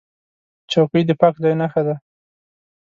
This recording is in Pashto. چوکۍ د پاک ځای نښه ده.